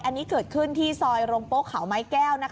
อันนี้เกิดขึ้นที่ซอยโรงโป๊เขาไม้แก้ว